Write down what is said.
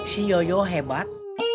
si yoyo hebat